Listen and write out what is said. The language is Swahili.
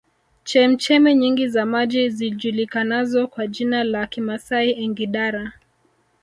Chemchemi nyingi za maji zijulikanazo kwa jina la Kimasai Engidara